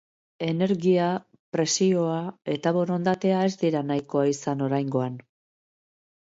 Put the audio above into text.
Energia, presioa eta borondatea ez dira nahikoa izan oraingoan.